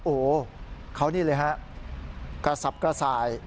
โอ้เขานี่เลยครับกระสับกระสาย